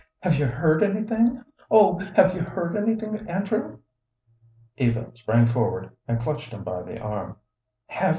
"Have you heard anything; oh, have you heard anything, Andrew?" Eva sprang forward and clutched him by the arm. "Have you?"